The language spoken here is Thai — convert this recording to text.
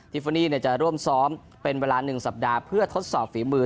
ฟอนี่จะร่วมซ้อมเป็นเวลา๑สัปดาห์เพื่อทดสอบฝีมือ